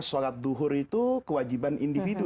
sholat duhur itu kewajiban individu